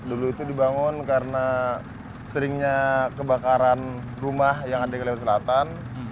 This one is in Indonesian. dulu itu dibangun karena seringnya kebakaran rumah yang ada di laut selatan